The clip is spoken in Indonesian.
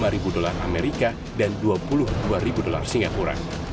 lima ribu dolar amerika dan dua puluh dua ribu dolar singapura